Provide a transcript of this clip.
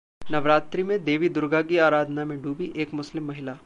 नवरात्रि में देवी दुर्गा की आराधना में डूबी एक मुस्लिम महिला